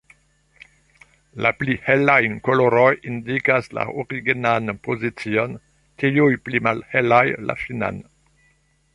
La pli helaj koloroj indikas la originan pozicion, tiuj pli malhelaj la finan.